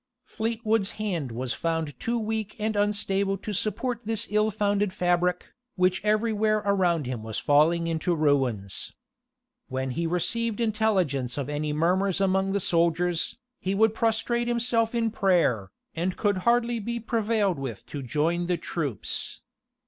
Fleetwood's hand was found too weak and unstable to support this ill founded fabric, which every where around him was falling into ruins. When he received intelligence of any murmurs among the soldiers, he would prostrate himself in prayer, and could hardly be prevailed with to join the troops.